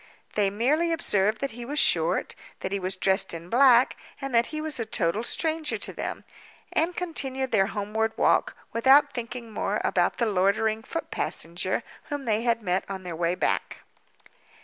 They merely observed that he was short, that he was dressed in black, and that he was a total stranger to them—and continued their homeward walk, without thinking more about the loitering foot passenger whom they had met on their way back.